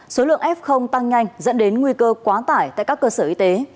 số lượng f tăng nhanh dẫn đến nguy cơ quá tải tại các cơ sở y tế